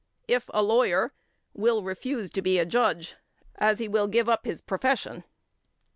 if a lawyer, will refuse to be a judge, as the will give up his profession; 6.